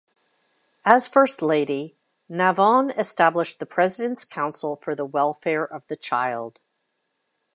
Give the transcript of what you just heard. As First Lady, Navon established the President's Council for the Welfare of the Child.